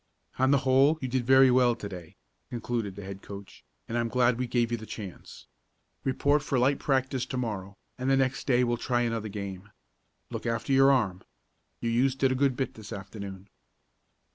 "On the whole you did very well to day," concluded the head coach, "and I'm glad we gave you the chance. Report for light practice to morrow, and the next day we'll try another game. Look after your arm. You used it a good bit this afternoon."